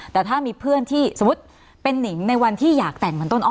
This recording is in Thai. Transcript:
แต่ถ้ามีเพื่อนที่สมมุติเป็นนิงในวันที่อยากแต่งเหมือนต้นอ้อ